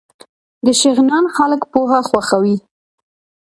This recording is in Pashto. د شغنان خلک پوهه خوښوي